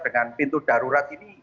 dengan pintu darurat ini